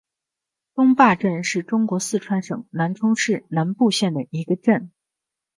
东坝镇是中国四川省南充市南部县的一个镇。